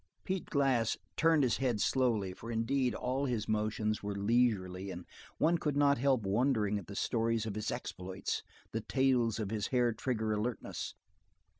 Pete Glass turned his head slowly, for indeed all his motions were leisurely and one could not help wondering at the stories of his exploits, the tales of his hair trigger alertness.